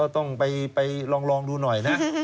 ต้องไปลองดูหน่อยนะ